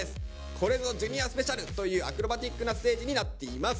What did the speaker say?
これぞＪｒ．ＳＰ！というアクロバティックなステージになっています。